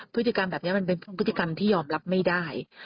พฤติกรรมแบบนี้มันเป็นพฤติกรรมที่ยอมรับไม่ได้